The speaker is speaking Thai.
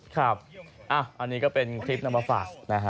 ครับอันนี้ก็เป็นคลิปนำมาฝากนะฮะ